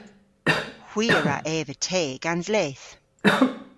Hwi a wra eva te gans leth.